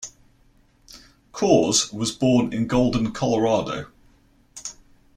Coors was born in Golden, Colorado.